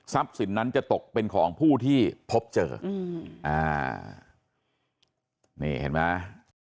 สินนั้นจะตกเป็นของผู้ที่พบเจออืมอ่านี่เห็นไหม